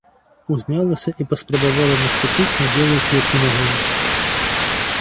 Узнялася і паспрабавала наступіць на белыя клеткі нагою.